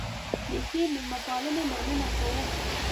د ښې مېلمه پالنې مننه کوو.